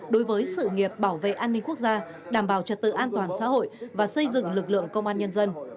đối với sự nghiệp bảo vệ an ninh quốc gia đảm bảo trật tự an toàn xã hội và xây dựng lực lượng công an nhân dân